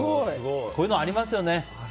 こういうのありますよね。